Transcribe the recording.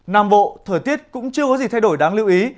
nam bộ thời tiết cũng chưa có gì thay đổi đáng lưu ý